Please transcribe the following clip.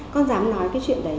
con dám nói cái chuyện đấy